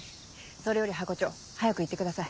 それよりハコ長早く行ってください。